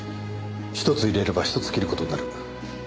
１つ入れれば１つ切る事になる。